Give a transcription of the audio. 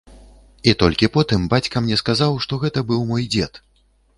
І толькі потым бацька мне сказаў, што гэта быў мой дзед.